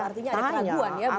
artinya ada peraguan ya bu sylvia